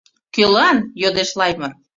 — Кӧлан? — йодеш Лаймыр.